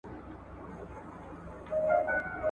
څېړنه مو له نویو حقایقو سره اشنا کوي.